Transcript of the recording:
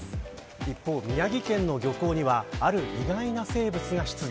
一方、宮城県の漁港にはある意外な生物が出現。